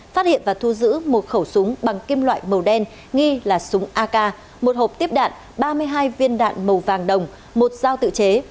phát hiện và thu giữ một khẩu súng bằng kim loại màu đen nghi là súng ak một hộp tiếp đạn ba mươi hai viên đạn màu vàng đồng một dao tự chế